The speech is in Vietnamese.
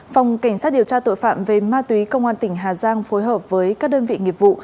phòng cảnh sát điều tra tội phạm về ma túy công an tỉnh hà giang phối hợp với các đơn vị nghiệp vụ